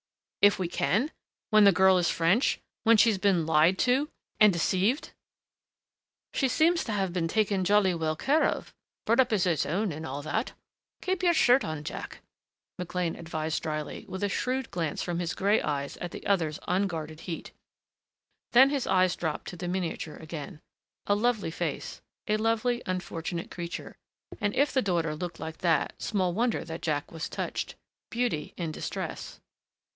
"If we can? When the girl is French? When she's been lied to and deceived?" "She seems to have been taken jolly well care of. Brought up as his own and all that. Keep your shirt on, Jack," McLean advised dryly with a shrewd glance from his gray eyes at the other's unguarded heat. Then his eyes dropped to the miniature again. A lovely face. A lovely unfortunate creature.... And if the daughter looked like that, small wonder that Jack was touched.... Beauty in distress.